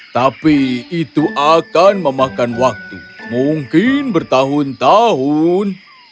tapi itu akan memakan waktu mungkin bertahun tahun